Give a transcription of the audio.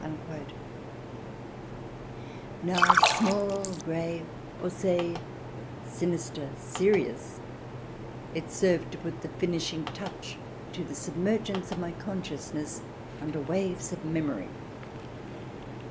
Now, small, grey, pose^ sinister, serious, it served to put the finishing touch to the submergence of my con sciousness under waves of memory.